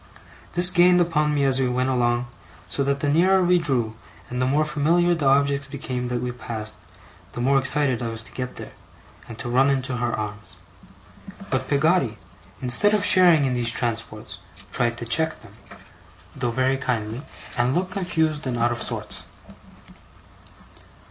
This gained upon me as we went along; so that the nearer we drew, the more familiar the objects became that we passed, the more excited I was to get there, and to run into her arms. But Peggotty, instead of sharing in those transports, tried to check them (though very kindly), and looked confused and out of sorts.